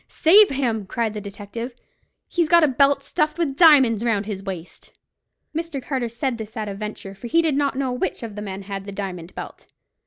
"Save him!" cried the detective. "He's got a belt stuffed with diamonds round his waist!" Mr. Carter said this at a venture, for he did not know which of the men had the diamond belt.